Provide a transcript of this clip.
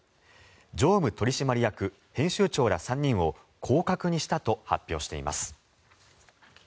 常務取締役、編集長ら３人を降格にしたと発表しています。